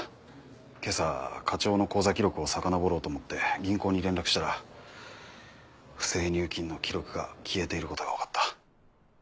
今朝課長の口座記録をさかのぼろうと思って銀行に連絡したら不正入金の記録が消えていることが分かった。